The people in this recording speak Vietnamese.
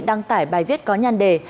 đăng tải bài viết có nhăn đề